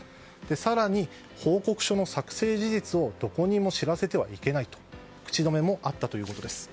更に報告書の作成事実をどこにも知らせてはいけないと口止めもあったということです。